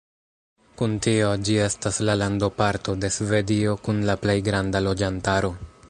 Kun tio, ĝi estas la landoparto de Svedio kun la plej granda loĝantaro.